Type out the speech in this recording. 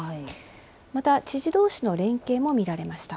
また、知事どうしの連携も見られました。